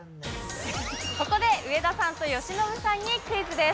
ここで上田さんと由伸さんにクイズです。